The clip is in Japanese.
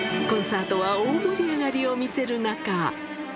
コンサートは大盛り上がりを見せる中。